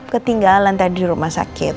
ketinggalan tadi di rumah sakit